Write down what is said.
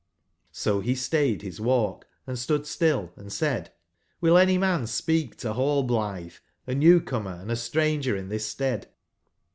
So be stayed bis walk and stood still, and said: '*U3ill any .man speak to Rallblitbe, a new/comer, & a stranger nn tbis Stead